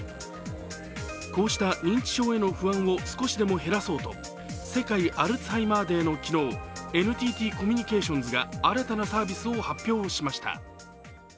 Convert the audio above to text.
こうした認知症への不安を少しでも減らそうと世界アルツハイマーデーの昨日、ＮＴＴコミュニケーションズが新たなサービスを発表しました。